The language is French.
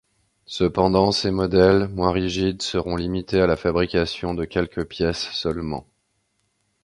Cependant, ces modèles, moins rigides, seront limités à la fabrication de quelques pièces seulement.